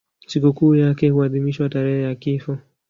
Sikukuu yake huadhimishwa tarehe ya kifo.